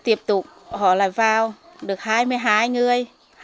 tiếp tục họ lại vào được hai mươi hai người